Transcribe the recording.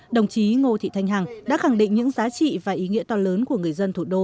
đồng chí ngô thị thanh hằng đã khẳng định những giá trị và ý nghĩa to lớn của người dân thủ đô